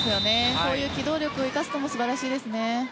こういう機動力を生かすのも素晴らしいですね。